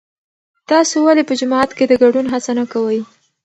تاسو ولې په جماعت کې د ګډون هڅه نه کوئ؟